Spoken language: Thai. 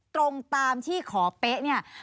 ตรงตามที่ขอเป๊ะเนี่ย